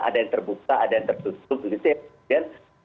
ada yang terbuka ada yang tertutup gitu ya